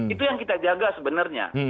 itu yang kita jaga sebenarnya